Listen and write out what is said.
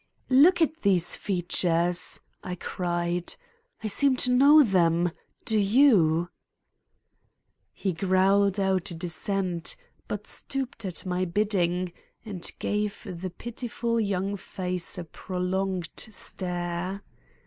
"Look at these features," I cried. "I seem to know them, do you?" He growled out a dissent, but stooped at my bidding and gave the pitiful young face a pro longed stare.